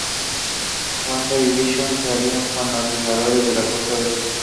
Wanda y Visión se alían con los Vengadores de la Costa Oeste.